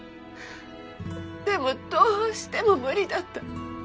でもどうしても無理だった。